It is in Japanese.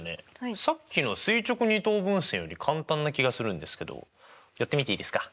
さっきの垂直二等分線より簡単な気がするんですけどやってみていいですか？